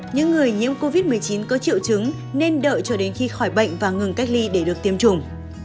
những người nhiễm covid một mươi chín có triệu chứng nên đợi cho đến khi khỏi bệnh và ngừng cách ly để được tiêm chủng